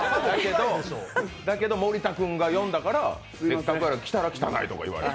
だけど森田君が呼んだから来たら、汚いって言われて。